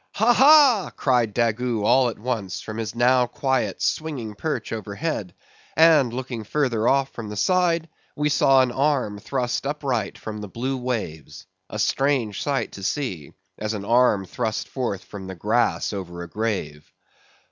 "Ha! ha!" cried Daggoo, all at once, from his now quiet, swinging perch overhead; and looking further off from the side, we saw an arm thrust upright from the blue waves; a sight strange to see, as an arm thrust forth from the grass over a grave.